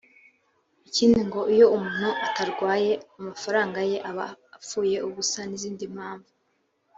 ikindi ngo iyo umuntu atarwaye amafaranga ye aba apfuye ubusa n’izindi mpamvu